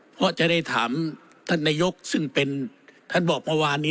เพราะจะได้ถามท่านนายกซึ่งเป็นท่านบอกเมื่อวานนี้